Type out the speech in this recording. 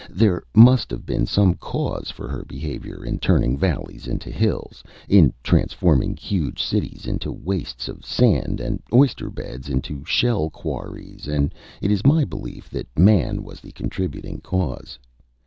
There must have been some cause for her behavior in turning valleys into hills, in transforming huge cities into wastes of sand, and oyster beds into shell quarries; and it is my belief that man was the contributing cause.